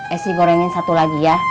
esi gorengin satu lagi ya